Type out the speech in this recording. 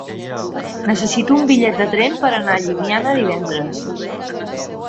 Necessito un bitllet de tren per anar a Llimiana divendres.